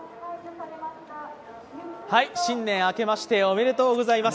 新年明けましておめでとうございます。